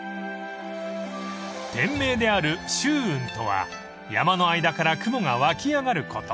［店名である岫雲とは山の間から雲が湧き上がること］